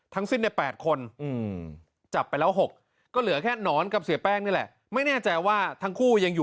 ทั้งสิ้นใน๘คน